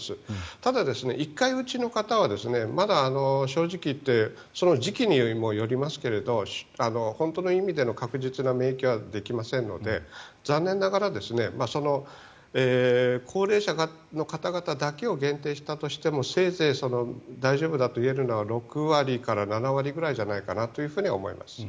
ただ、１回打ちの方はまだ正直言ってその時期にもよりますけれど本当の意味での確実な免疫はできませんので、残念ながら高齢者の方だけを限定したとしてもせいぜい大丈夫だといえるのは６割から７割ぐらいじゃないかと思います。